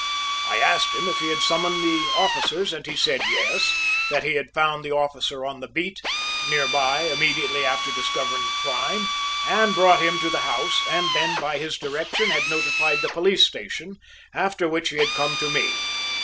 I asked him if he had summoned the officers and he said, "Yes"; that he had found the officer on the beat, nearby, immediately after discovering the crime, and brought him to the house, and then, by his direction, had notified the police station, after which he had come to me.